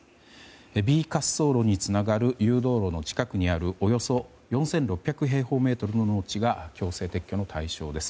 Ｂ滑走路につながる誘導路の近くにあるおよそ４６００平方メートルの農地が強制撤去の対象です。